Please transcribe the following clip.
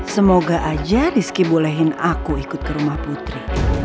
semoga aja rizky bolehin aku ikut ke rumah putri